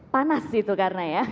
panas itu karena ya